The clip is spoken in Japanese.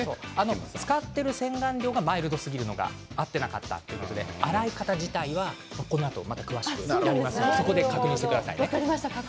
使っている洗顔料がマイルドすぎるのが合っていなかったということで洗い方はこのあと確認してくださいね。